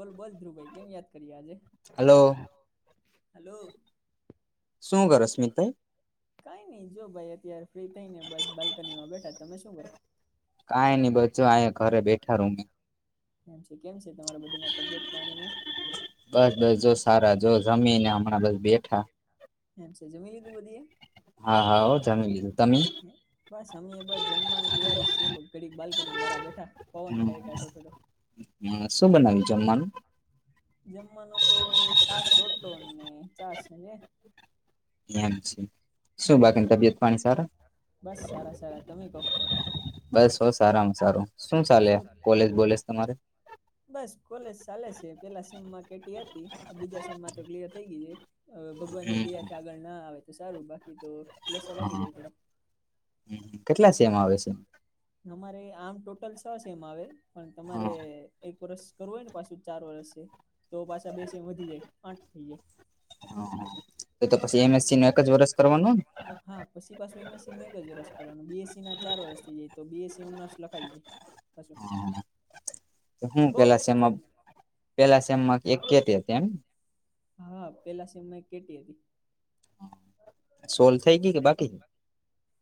બોલ બોલ ધ્રુવ ભાઈ કેમ યાદ કરીએ આજે હલો શું કરશ મિત્ર કઈ નઈ જો ભાઈ અત્યારે ફ્રી થઈ ને બસ બાલ્કનીમાં બેઠા તમે શું કરો કાઈ નહી બચો આ ઘરે બેઠા રું મે એમ છે કેમ બધી ના તબિયત માણીને બસ બસ જો સારા જો જમીને હમણાં બસ બેઠા હ છે જમીનીધું બધીએ હા હા જમ લીધું તમે બસ અમે બ જમવાની તૈય છે ઘડી બાલ્કની મારા બેઠા પવન ખાયો ઠાટો હા શું બનાવ્યું જમવાનું જમવાનો તો શાક રોટલોને ચ ને હ બસ સારા સારા તમે ક બસ હો સારામાં સારું શું ચાલે કોલેજ બોલેજ તમારે બસ કોલેજ ચાલે છે પેલા સમમાં કે હતી બીજા સમમાં તો ક્લયર થઈ ગય હ ભગવાનની દયા થી આગળ ના આવે તો સારું બાકી તો લોસા લાગી જાય થોડા કેટલા સેમાં આવે છે આમ ટોટલ છ છે એમ આવે પણ તમારે એક વર્ષ કરવું હોય ને પાછું ચાર વર્ષ છે તો પાછા બેસીમ વધી જાય આઠ થઈ જાય તો તો પછી એમએસસી નું એક જ વર્ષ કરવાનું હા પછી પાછું એમએસસી નું એક જ વરષ કરવાનું બીએસસી ના ચાર વર્ષ થી જાય તો બીએસસી ઓનર્સ લખાઈએ હજું હું પેલા શેમમાં પેલા શેમમાં એક કેટે છે એમ હા પેલા સને કેટી હતી હમ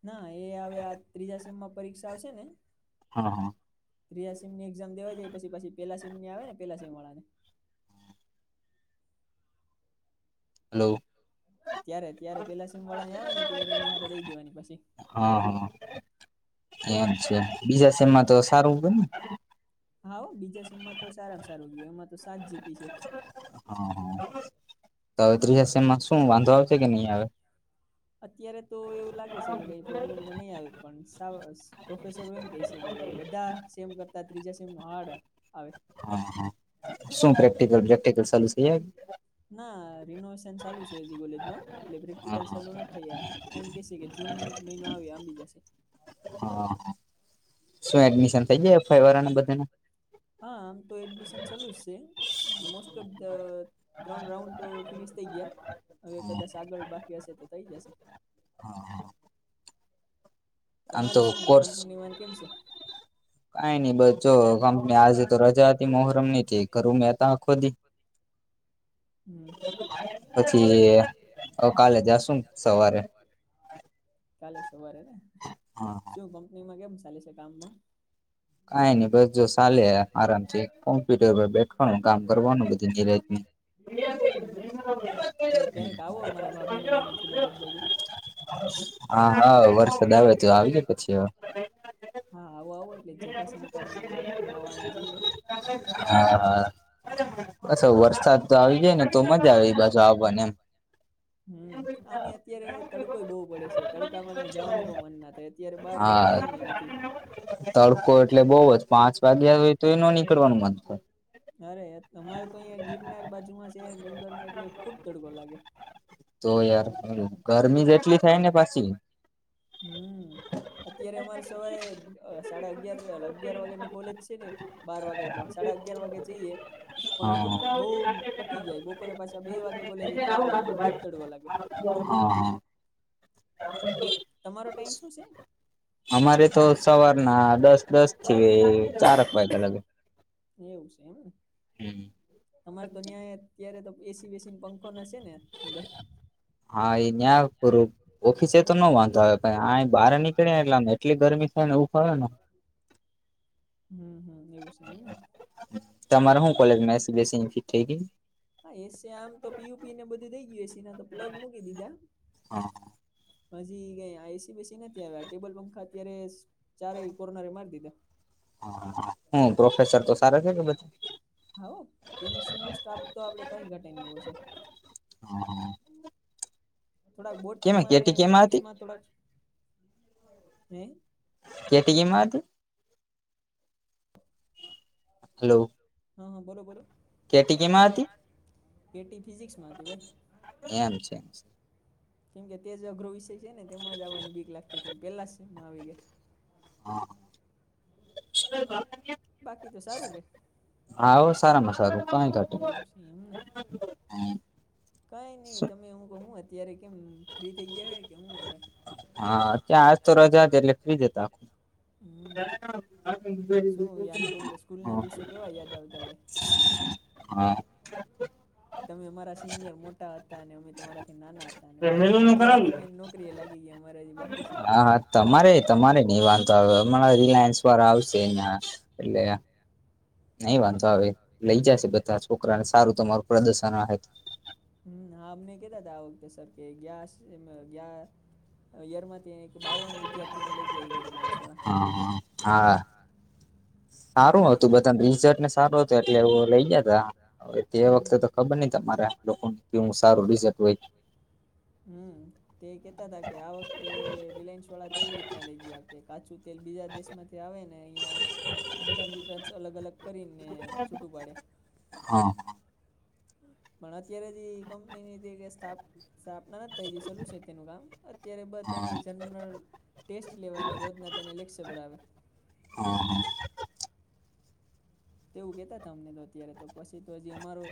ના એ હવે ત્રીજા સેમમાં પરીક્ષા આવશે ને હા હા ત્રીિયા સીમ ની એક્ઝામ દેવા જાય પછી પછી પેલા સીમની આવે ને પેલા સીમ વાળાને હલો ત્યારે ત્યારે પેલા સિમવાળાને આવે ને ત્યારે એની હારે દઈ દેવાની પછી એમ છે બીજા સેમમાં તો સારું ને હા બીજા સીમમાં તો સારામાં સારું ગયું એમાં તો સાત જીપી છે તો હવે ત્રીજાાસમાં શું વાંધો આવશે કે નહી આવે અત્યારે તો એવું લાગે છે કે કઈ પ્રોબ્લેમ તો નહી આવે પણ સાસ પ્રોફેસરો એમ ક છે કે બધા સેમ કરતા ત્રીજા સેમ હાર્ડ આવે હા હા શું પ્રેક્ટિકલ પ્રેક્ટિકલ થ ના રિનોવેશન ચાલુ છે હજી કોલેજમાં એટલે પ્રેક્ટિકલ સાલું નથી થઈ એમ કે છે કે જૂન મહિનો આવે આંબી જશે હ શું એડમિશન થઇ જાય એફઆ વાળાને બધાને હા આમ તો એડમિશન ચાલુ છે મો ઓફ ત્રઉન્ થ ગયા હવે કદાચ આગળ બાકી હશે તો થઈ જશે હા હા આમ તો કોર્સ કઈ નહી બધ જો કંપની આજે તો રજા હતી મોહરમ ની ઘરું મે ત ખોદી પછી હ કાલે જશું સવારે ચાલે સવારે ને શું કંપનીમાં કેમ ચાલી છે કામમાં કઈ નઈ બસ જો ચાલે આરામ છે કોમ્પ્યુટર પર બેઠવાનું કામ કરવાનું બધું નીરાજ હા હા વરસાદ આવે તો આવીજે પછી હા આવો આવો એટલે જટ હા હા અ્છા વરસાદ તો આવી જાય ને તો મજા આવી પાછુ આવવાને એમ હમ આમ અત્યારે તડકોય બહુ પડે છે તડકામાં કઈ જવાનું પણ મન ના થાય અત્યારે બાર હા તડકો એટલે બહ પાંચ અરે તમારે તો અહિયાં ગિરનાર બાજુમાં છે ડુંગર એટલે ખુબ તડકોો લાગે તો યાર જેટલી થાય ને પાછી હમ અત્યારે અમારે સવારે સાડા અગયાર અગયાર વાગેની કોલેજ છે ને બાર વાગે એટલે સાડા અગિયાર વાગે જઈએ પણ બહ કટી જાય બપોરે પાછા બે વાગે કોલેજ થયા એટલે ખુબ હા હા તમારો ટાઈમ શું છે અમારે તો સવારના દસ દસ થી ચાર અક વાગ અલગ એવું છે એમને તમારે તો ન્યાં અત્યારે તો એસી વસી પંખો નથી હા એ ન્યાં પરું ઓખીસે તો ન ંધ બહાર નીકળ્યા એટલે એટલી ગરમી થાય ને એવું થયો ને તમાર શું કોલેજ મે બે થઈ ગ હા એ આમ તો પીયુપીને બધું દઈ ગયું એસી ના તો પ્લગ મૂકી દીધા હા હજી એસી બેસી નથી આવ્યા ટેબલ પંખા અત્યારે ચારે કોરોનારે મારી દીધા હા હમ પ્રોફેસર તો હા કેમસ્ટ્રી નો સ્ટાફ તો આપણે કઈ ઘટે હો છે હ હા થોડાક બોટનીમાં ને ફિઝિક્સમાં થોડાક હમ ક કિંમત હલો હા હા બરોબર કેટ કે મા હતી એટી એમ છે એમ કેમકે તેજ અઘ્ર વિષય છે ને તેમાં જવાની બીક લાગતી છેને પેલા સમાં આવી ગયા હા હા શ હા સારામાં સારું કઈ થતું હમ કાઈ નહીં તમે અમુકમું અત્યારે કેમ ફ્રી થઈ ગયા હ કે અમું હ હા ત્યાં આજ તો રજા છે એટલે ફ્રી જતા આખું [inaudible] હા તમારાથી નાના હતા વાહ અત્યારે તમે નોકરી એ લાગી ગયા હા હા તમારે તમારે નહ વાંધો આવે હમણાં રિલાયન્સ વાર આવશેં એલેયા નહી વાંધો આવે લઈ જશે બધા છોકરાને સારું તમારું પ્રદર્શન આવે હમ હા અમને કેતા હતા આ વખતે સર કે ગ ગ્યા યાર માંથીને બાવન વિદ્યાર્થી ને લઈ આવી કરી લે હા હા હા સારું હતું બધા રિઝર્ટને સારું હતું એટલે લઇ ગ ત હવે તે વખતે તો ખબર નઈ તમારા લોકોને છોીસપઈ હમ્મ તે કેતા હતા કે આ વખતે રિલાયન્સ વાળા તેવી રીતના લઈ ગયા કે કાચું તેલ બીજા દેશમાંથી આવે ને અહીંયા બધા મિનરલ્સ અલગ અલગ કરીને છૂટું પાડે. પણ અત્યારે જે કંપની ની જે કે સ્ટાફ સાપના ના તે જે થી શોલુ છે તેનું કામ અત્યારે બ તેની જનરલ ટેસ્ટ લેવાયને રોજના તેને લેક્ષ્ય ભરાવે. હા, હા. તેવું કેહતા થા અમને તો અત્યારે તો પછી તો જે અમારો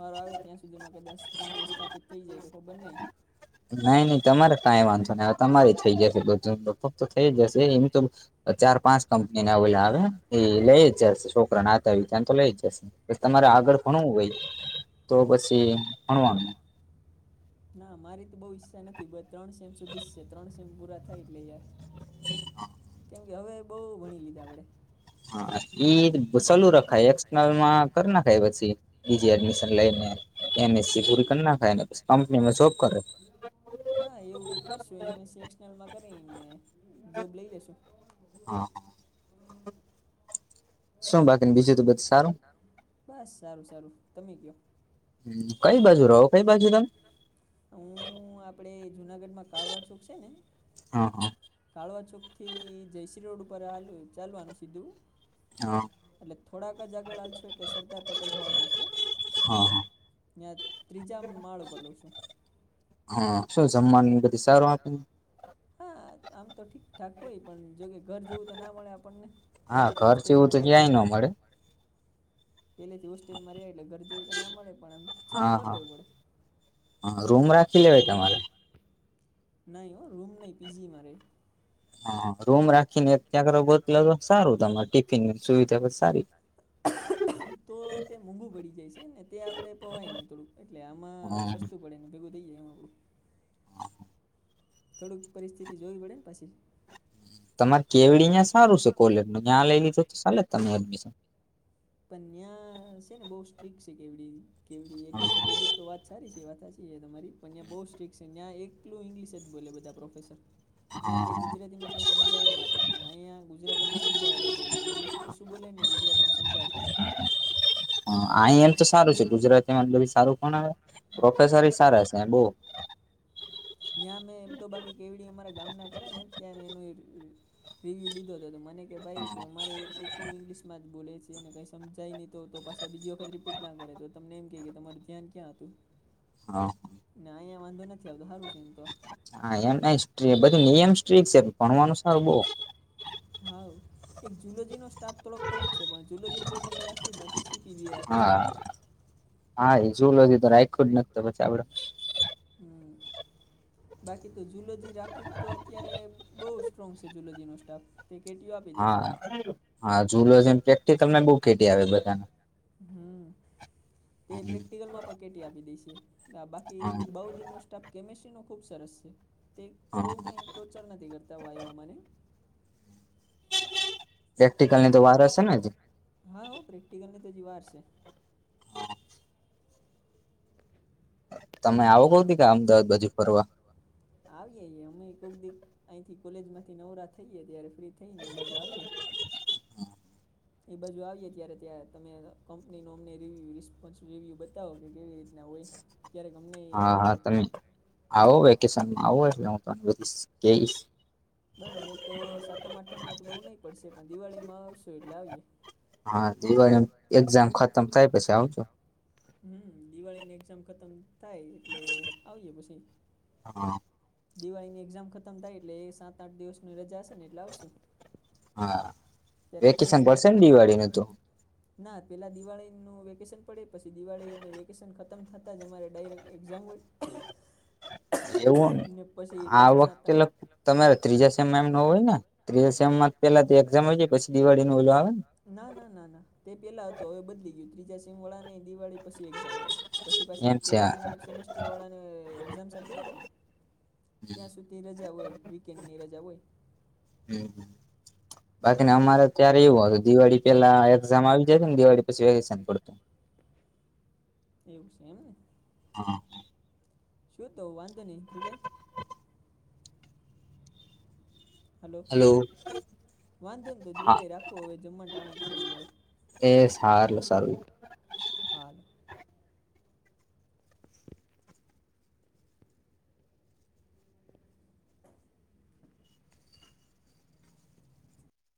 વારો આવે ત્યાં સુધીમાં કદાચ તમને સ્થા પિત થઈ જાય તો ખબર નહી નઈ નઈ તમારે કાંઈ વાંધો નહી. હવે તમારી થઈ જશે બધું તો થઈ જશે એમ તો અહ ચાર પાંચ કંપની ના ઓ આવે એહ એ લઈ જશે છોકરા નાતા ત્યાં તો લઈ જશે એ તમારે આ ગ ભણવું હોય તો પછી ભણવાનું. ના મારી તો બહુ ઈચ્છા નથી ત્રણ સેમ સુધી જ છે ત્રણ સેમ પૂરા થાય એટલે યાર હા, હા. કેમ કે હવે બહુ ભણી લીધા આપડે. હા, એ સલું રખાય એકસલમાં કરી નાખાય પછી બીજી એડમિશન લઈને. એન એ સી પૂરી કરી નાખાય એને પછી કંપનીમાં જોબ કરે. હા, એવું કઈક કરશું એમ એસ સી એક્સ્ટ્રનલ માં કરીને જોબ લઈ લેશુ. હા, હા. શું બાકી ને બીજું તો બધ સારું? સારું, સારું. તમે ક્યો? કઈ બાજુ રો કઈ બાજુ ર હું આપડે જુનાગઢમાં કાળવા ચોક છે ને કાળવા ચોક થી જયસ્રી રોડ ઉપર આલુ ચાલવાનું સીધું હા. એટલે થોડાક જ આગળ હાલશો એટલે સરદાર પટેલ ભવન આવશે ત્યાં ત્રીજા માળ ઉપર લઉં છું. હા, શું જમવાનું ની બધી સારું આપે? ઠાક હોય પન જોકે ઘર જવું તો ના મળે આપણને. પેલે થી હોસ્ટેલ માં રિયા એટલે પેલેથી હોસ્ટેલમાં રેયા એટલે ઘર જેવું તો ના મળે પણ આમ સહન કરી લેવું પડે. રૂમ રાખી લેવાય તમારે. નહી ઓ રૂમ નહી પીજી માં રે. હા, રૂમ રાખીને ત્યાં આગળ ગોતલેલો સારું તમાર ટિફિન ની સુવિધા બ સારી. [unintelligible] તો તે મોંઘું પડી જાય છે ને તે આપણે પવાય નહીં થોડુંક એટલે આમાં સસ્તું પડે ભેગું થઈ જાય. થોડુંક પરિસ્થિતિ જોવી પડેને પાછી. તમારે કેવડી ઈયા સારું છે કોલેજ નું જ્યાં લઈ લીધું તો ચાલે તમે એડમિશન. પણ ન્યા છે ને બહુ સ્ટ્રીક છે કેવડી કેવડી એડમિશન લીધું તો વાત સારી છે એ વાત સાચી એ તમારી પણ્યાં બહુ સ્ટ્રિક્ટ છે. ન્યા એકલું ઇંગ્લિશ જ બોલે બધા પ્રોફસર. ન્યા તે ગુજરાતી માં કઈ સમજાવે નઈ આપણને. અહીંયા ગુજરાતીમાં સમજાવે બધું ઇંગ્લિશ ઓછું બોલેને ગુ જરાતી માં સમ અહ આઈ એમ તો સારું છે ગુજરાતી મતલ ઈ સારું પણ આવે પ્રોફેસર એ સારા છે બો. મે એમ તો બાકી કેવડી અમારા ગામ ના કરે ને ત્યાં એનું એ ઈ ઈ રિવ્યુ લીધો તો મને કે ભાઈ કે અમારે એકલું ઇંગ્લિશમાં બોલે છે અને કઈ સમજાય નહી તો પાછા બીજી વખત રીપીટ ના કરે તો તમને એમ કે કે તમારું ધ્યાન ક્યાં હતું. હા, હા. અહીંયા વાંધો નથી આવતો હારું છે એમ તો. હા, એમ આઈ સ્ટે બધું નિયમ સ્ટ્રીક છે ભણવાનું સારું બો હા એક જુલોજી નો સ્ટાફ થોડોક કડક છે પણ જુલોજી જોકે મેં રાખ્યું જ નથી ી પીવીી રાખી છે જલોધ તો રાખ્યું જ ન પછી આપડ [inaudible] બાકી તો જુલોજી રાખ્યું તો અત્યારે બહ સ્ટ્રોંગ છે જુલોજી નો સ્ટાફ હા હા જુલો છે એેક તમને બ કેટી આવે બધાને તે પ્રેક્ટિકલમાં પણ કેટી આપી દે છે બાકી બ દિ ન સ્ટા કેમસ્ટ્રી ન ખૂબ સરસ છે તે બહુ કઈ ટોચર નથી કરતા વાય મને પ્રેક્ટિકલ ની તો વાર હશે ને જ ધ જ વાર છે તમે આવો કઉ ત કે અમદાવાદ બાજુ ફરવા ટક અથી કોલેજમાંથી નવરા થઈ ત્યારે ફ્રી થઈને બાજુ આવી એ બાજુ આવીએ ત્યારે ત્યાં તમે કંપની ન અમને રિવ્યુ રિસ્પોન્સ રિવ્યુ બતાવો કે કેવી રીતના [inaudible] હા હા તમે આવો વેકેશનમાં આવો એટલે હું તને બધી કઈશ હવે તો સાતમ આઠમ માં તો બહુ નહી પડશે પણ દિવાળી માં આવશું એટલે આવીએ હા દીવા એ દિવાળીામ થાય એટલે આવીએે પછી [unintelligible] દિવાળી ની એક્ઝામ ખતમ થાય એટલે એ સાત આઠ દિવસની રજા હશે ને એટલે આવશું વેકેશન પડશે ને દિવાળી ન ત ના પહેલાં દિવાળીનું વેકેશન પડે પછી દિવાળીનું વેકેશન ખતમ થતાં જ અમારે ડાયરેક્ટ એક્ઝામ હોય [unintelligible] એવું આ વખતે તમારે ત્રીજા સેમ એમ ન હોય ને ત્રીસમમાં પેલા તો એક્ઝામ હોયાય પી દિવાળીું ઓું આવે ના ના ના ના તે પેલા હતું હવે બદલી ગયું ત્રીજા સિમ વાળા નઈ દિવાળી પછી એઝામ આવ પછીછી પેલા સેમેસ્ટર વાળા ને એક્ઝામ ચાલતી હોય ને ત્યાં સુધી રજા હોય વીકેન્ડની રજા હોય હમ હ બાકીને અમારે ત્યારે એવું હત દિવાળી પેલા એક્ઝામ આવી જાય છે ને દિવાળી પછી વેકેશન પડતું એવું છે એ ને હા શું તો વાંધો નહી રુભાઈ હલોલો વાંધો ને તો ધ્રુવાાઈ રાખો હવે જમવા ટા થઈ ગયો માર હાલ